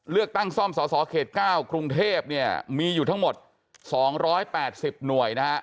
เลือกตั้งซ่อมศาสตร์ข๙กรุงเทพมีอยู่ทั้งหมด๒๘๐หน่วย